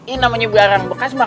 ini namanya barang bekas pak